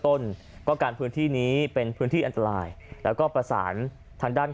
ต้นก็การพื้นที่นี้เป็นพื้นที่อันตรายแล้วก็ประสานทางด้าน